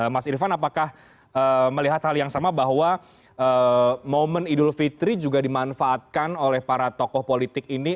mas irvan apakah melihat hal yang sama bahwa momen idul fitri juga dimanfaatkan oleh para tokoh politik ini